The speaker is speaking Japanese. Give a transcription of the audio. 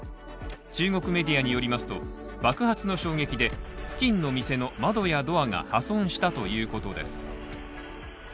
中国メディアによりますと、爆発の衝撃で、付近の店の窓やドアが破損したということです。